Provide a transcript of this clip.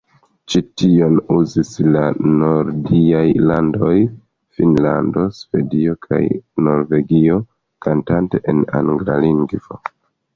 Ĉi-tion uzis la nordiaj landoj Finnlando, Svedio kaj Norvegio, kantante en angla lingvo.